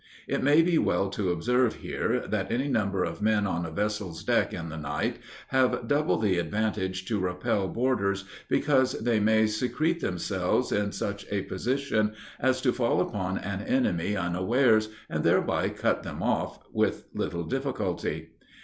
It may be well to observe here, that any number of men on a vessel's deck, in the night, have double the advantage to repel boarders, because they may secrete themselves in such a position as to fall upon an enemy unawares, and thereby cut them off, with little difficulty.